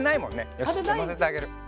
よしのせてあげる。